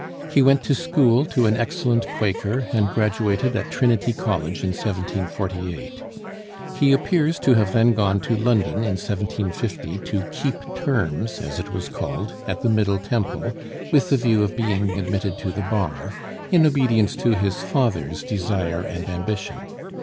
He went to school to an excellent Quaker, and graduated at Trinity College in 1748. He appears to have then gone to London in 1750 to "keep terms," as it was called, at the Middle Temple, with the view of being admitted to the bar, in obedience to his father's desire and ambition.